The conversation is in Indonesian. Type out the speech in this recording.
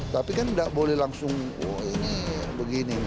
tapi kan tidak boleh langsung oh ini begini